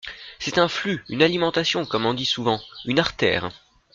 C’est un flux, une alimentation, comme on dit souvent, une artère.